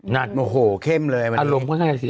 นั่นโอ้โหเข้มเลยวันนี้